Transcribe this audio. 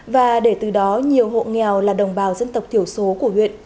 và để từ đó nhiều hộ nghèo là đồng bào dân tộc thiểu số của huyện